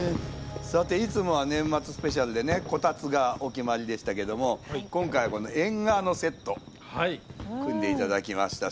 さていつもは「年末スペシャル」でねこたつがお決まりでしたけども今回はこの縁側のセット組んで頂きました。